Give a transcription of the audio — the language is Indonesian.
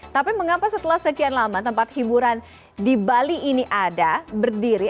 tapi mengapa setelah sekian lama tempat hiburan di bali ini ada berdiri